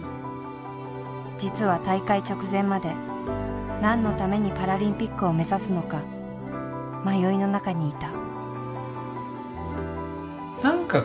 実は大会直前まで何のためにパラリンピックを目指すのか迷いの中にいた。